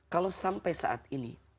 kalau sampai saat ini